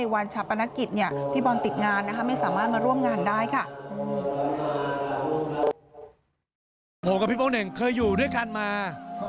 ผมกับพี่โป้เน่งเคยอยู่ด้วยกันมา